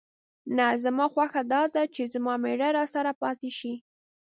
نه، زما خوښه دا ده چې زما مېړه راسره پاتې شي.